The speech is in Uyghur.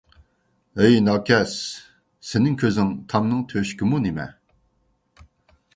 ھەي ناكەس، سېنىڭ كۆزۈڭ تامنىڭ تۆشۈكىمۇ نېمە!